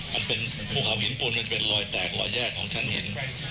มันเป็นภูเขาหินปูนมันเป็นรอยแตกรอยแยกของชั้นหิน